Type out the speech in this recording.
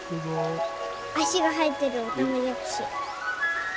足が生えてるオタマジャクシ。